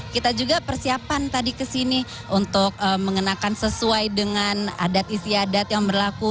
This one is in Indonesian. kita juga persiapan tadi kesini untuk mengenakan sesuai dengan adat istiadat yang berlaku